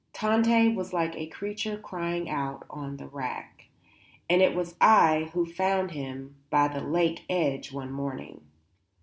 Tante was like a creature crying out on the rack. And it was I who found him by the lake edge one morning.